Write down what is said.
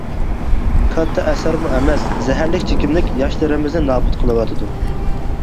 — كاتتا ئەسەرمۇ ئەمەس، زەھەرلىك چېكىملىك ياشلىرىمىزنى نابۇت قىلىۋاتىدۇ.